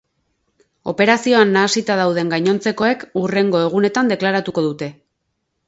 Operazioan nahasita dauden gainontzekoek hurrengo egunetan deklaratuko dute.